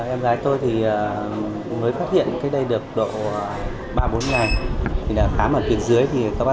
em gái tôi mới phát hiện đây được độ ba bốn ngày khá mở tiền dưới